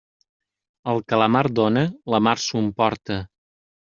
El que la mar dóna, la mar s'ho emporta.